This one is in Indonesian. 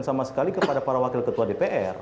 sama sekali kepada para wakil ketua dpr